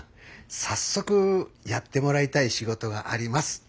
早速やってもらいたい仕事があります。